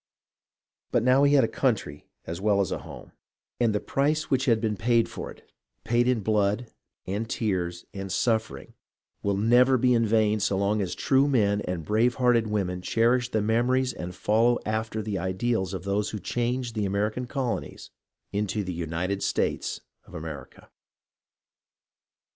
But now he had a country as well as a home, and the PEACE 407 price which had been paid for it, paid in blood, and tears, and suffering, will never be in vain so long as true men and brave hearted women cherish the memories and follow after the ideals of those who changed the American Colo nies into the United States of America.